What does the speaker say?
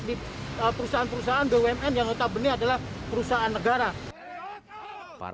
di perusahaan perusahaan bumn yang notabene adalah perusahaan negara